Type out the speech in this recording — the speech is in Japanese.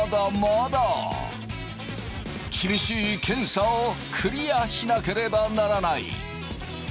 厳しい検査をクリアしなければならない。